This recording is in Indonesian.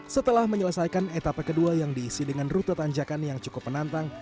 setelah menyelesaikan etapa kedua yang diisi dengan rute tanjakan yang cukup menantang